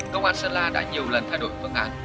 công an sơn la đã nhiều lần thay đổi phương án